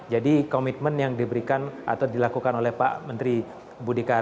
jadi komitmen yang diberikan atau dilakukan oleh pak menteri budi karya